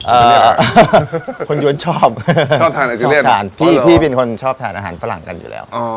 อ่าคนยวนชอบชอบทานอิตาเลียนชอบทานพี่พี่เป็นคนชอบทานอาหารฝรั่งกันอยู่แล้ว